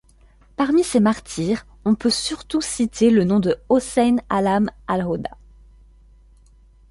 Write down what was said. Parmi ces martyrs, on peut surtout citer le nom de Hosein Alam-alhoda.